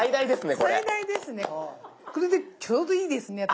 これでちょうどいいですね私。